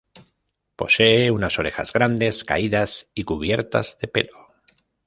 Posee unas orejas grandes, caídas y cubiertas de pelo.